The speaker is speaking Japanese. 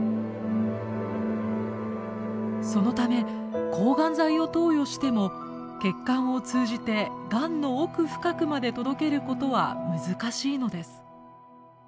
そのため抗がん剤を投与しても血管を通じてがんの奥深くまで届けることは難しいのです。